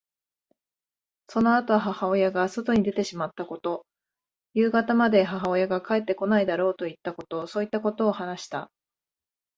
そのあと母親が外に出てしまったこと、夕方まで母親が帰ってこないだろうといったこと、そういったことを話した。